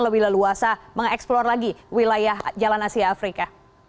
lebih leluasa mengeksplor lagi wilayah jalan asia afrika